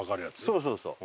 そうそうそう。